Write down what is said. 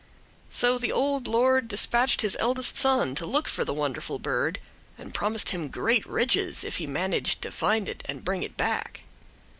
So the old lord dispatched his eldest son to look for the wonderful bird, and promised him great riches if he managed to find it and bring it back.